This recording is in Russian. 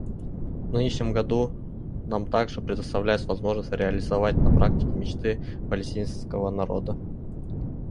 В нынешнем году нам также предоставляется возможность реализовать на практике мечты палестинского народа.